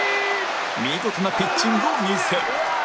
見事なピッチングを見せる